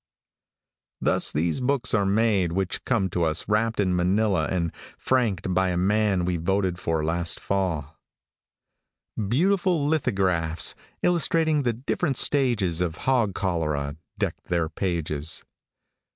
Thus these books are made which come to us wrapped in manilla and franked by the man we voted for last fall. Beautiful lithographs, illustrating the different stages of hog cholera, deck their pages.